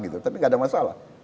tapi tidak ada masalah